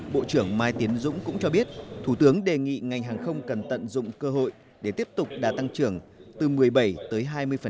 bộ trưởng mai tiến dũng cũng cho biết thủ tướng đề nghị ngành hàng không cần tận dụng cơ hội để tiếp tục đã tăng trưởng từ một mươi bảy tới hai mươi